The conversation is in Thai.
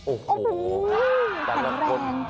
โอ้โหแข็งแรง